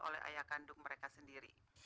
oleh ayah kandung mereka sendiri